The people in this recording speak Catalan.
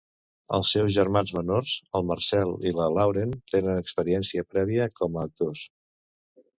Els seus germans menors, el Marcel i la Lauren, tenen experiència prèvia com a actors.